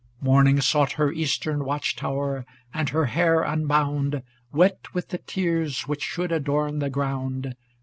Morning sought Her eastern watch tower, and her hair unbound. Wet with the tears which should adorn the ground.